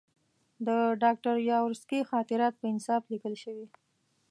د ډاکټر یاورسکي خاطرات په انصاف لیکل شوي.